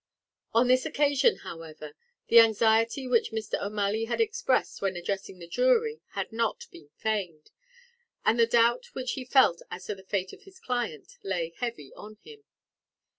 On this occasion, however, the anxiety which Mr. O'Malley had expressed when addressing the jury had not been feigned, and the doubt which he felt as to the fate of his client lay heavy on him.